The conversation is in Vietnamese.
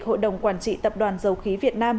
hội đồng quản trị tập đoàn dầu khí việt nam